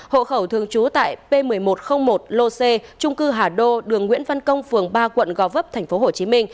hộ khẩu thường trú tại p một mươi một trăm linh một lô c trung cư hà đô đường nguyễn văn công phường ba quận gò vấp tp hcm